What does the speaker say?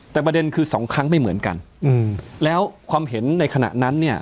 แต่ประเด็นคือสองครั้งไม่เหมือนกันแล้วความเห็นในขณะนั้นเนี่ย